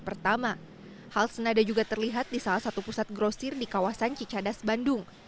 pertama hal senada juga terlihat di salah satu pusat grosir di kawasan cicadas bandung